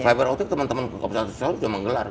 fiberoptik teman teman kekomunikasi sosial cuma menggelar